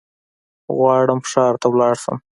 غواړم ښار ته ولاړشم